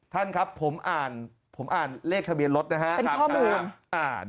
ท่านครับผมอ่านเลขทะเบียนลดนะครับ